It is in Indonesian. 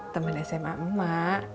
temen sma ma